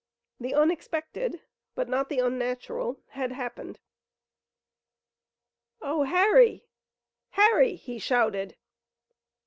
The unexpected, but not the unnatural, had happened. "Oh, Harry! Harry!" he shouted.